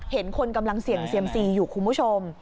เห็นคนกำลังเสี่ยงเซียมซีอยู่คุณผู้ชม